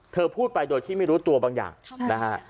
เธอพูดไปโดยที่ไม่รู้ตัวบางอย่างนะฮะ